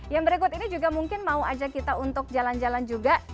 yang berikut ini juga mungkin mau aja kita untuk jalan jalan juga